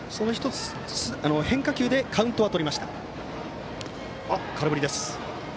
１つ、変化球でカウントはとりました。